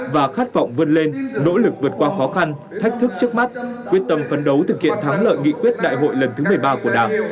và khát vọng vươn lên nỗ lực vượt qua khó khăn thách thức trước mắt quyết tâm phấn đấu thực hiện thắng lợi nghị quyết đại hội lần thứ một mươi ba của đảng